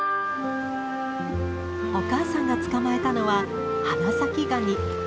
お母さんが捕まえたのはハナサキガニ。